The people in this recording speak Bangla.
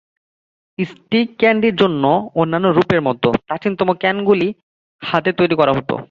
স্টিক ক্যান্ডির অন্যান্য রূপের মতো, প্রাচীনতম ক্যানগুলি হাতে তৈরি করা হত।